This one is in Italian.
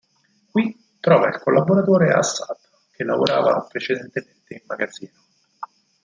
Qui trova il collaboratore Assad che lavorava precedentemente in magazzino.